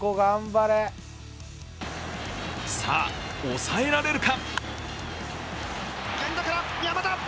さあ、抑えられるか？